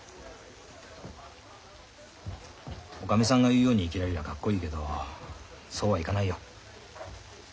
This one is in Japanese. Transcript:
おかみさんが言うように生きられりゃかっこいいけどそうはいかないよ。